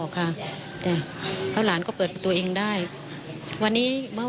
แต่หลานก็เปิดประตูได้